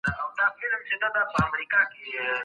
خلګو نسوای کولای د مذهب په اړه پوښتنې وکړي.